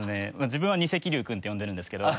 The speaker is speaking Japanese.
自分は「ニセ桐生君」て呼んでるんですけど。